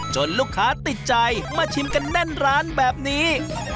ลูกค้าติดใจมาชิมกันแน่นร้านแบบนี้